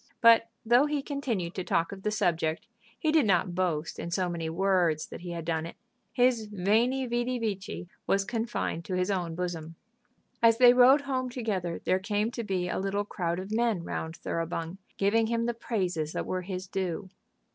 But though he continued to talk of the subject, he did not boast in so many words that he had done it. His "veni, vidi, vici," was confined to his own bosom. As they rode home together there came to be a little crowd of men round Thoroughbung, giving him the praises that were his due.